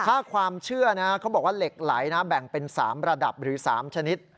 ถ้าความเชื่อนะเขาบอกว่าเหล็กไหลนะแบ่งเป็น๓ระดับหรือ๓ชนิด